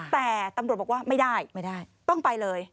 แต่ตำรวจบอกว่าไม่ได้ไม่ได้ต้องไปเลย